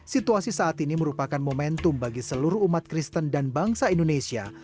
situasi saat ini merupakan momentum bagi seluruh umat kristen dan bangsa indonesia